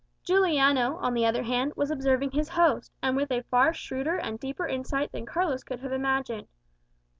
Juliano, on the other hand, was observing his host, and with a far shrewder and deeper insight than Carlos could have imagined.